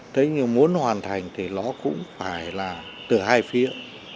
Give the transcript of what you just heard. thế nhưng muốn hoàn thành thì nó cũng phải là từ hai phía